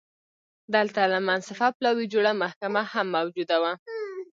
دلته له منصفه پلاوي جوړه محکمه هم موجوده وه